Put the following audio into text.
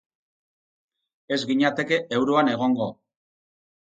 Ez ginateke euroan egongo.